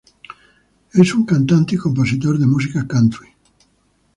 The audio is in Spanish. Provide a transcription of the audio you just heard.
Es un cantante y compositor de música country.